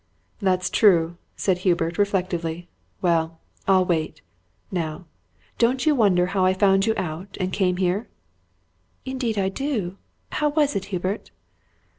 "That's true!" said Hubert, reflectively. "Well, I'll wait. Now, don't you wonder how I found you out, and came here?" "Indeed I do. How was it, Hubert?"